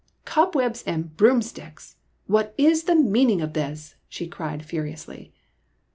" Cobwebs and broomsticks ! What is the meaning of this ?" she cried furiously.